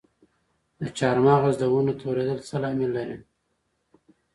د چهارمغز د ونو توریدل څه لامل لري؟